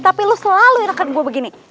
tapi lo selalu irakan gue begini